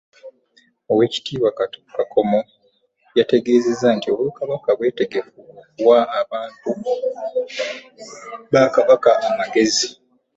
Oweekitiibwa Kakomo yategeezezza nti Obwakabaka bwetegefu okuwa abantu ba Kabaka amagezi